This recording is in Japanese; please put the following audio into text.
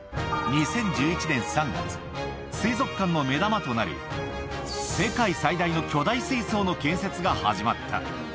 ２０１１年３月、水族館の目玉となる世界最大の巨大水槽の建設が始まった。